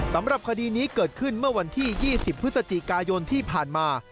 สำหรับคดีนี้เกิดขึ้นเมื่อวันที่๒๐พฤศจิกายนที่ผ่านมา